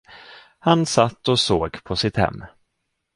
Han satt och såg på sitt hem.